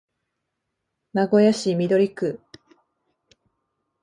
名古屋市緑区